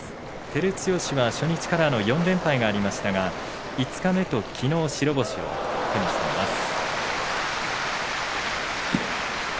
照強は初日からの４連敗がありましたが五日目ときのう白星を手にしています。